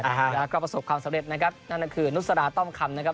และก็ประสบความสำเร็จนั่นคือนุสราต้อมคำ